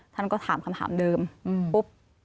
ท่านก็ถามคำถามเดิมปุ๊บ